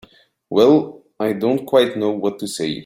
Well—I don't quite know what to say.